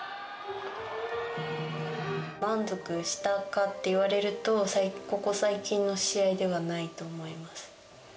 満足したかって言われると、ここ最近の試合ではないと思います。